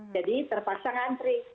jadi terpaksa ngantri